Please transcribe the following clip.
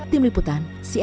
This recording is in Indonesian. tidak ada yang dapat diaduk